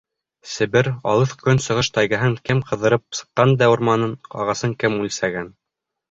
Себер, Алыҫ Көнсығыш тайгаһын кем ҡыҙырып сыҡҡан да урманын, ағасын кем үлсәгән?